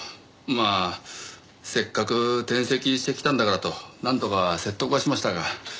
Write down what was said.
まあせっかく転籍してきたんだからとなんとか説得はしましたが。